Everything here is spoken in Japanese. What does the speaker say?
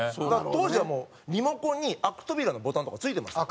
当時はもうリモコンにアクトビラのボタンとか付いてましたから。